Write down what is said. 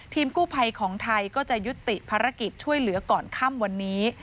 กู้ภัยของไทยก็จะยุติภารกิจช่วยเหลือก่อนค่ำวันนี้